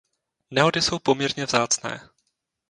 Nehody jsou poměrně vzácné.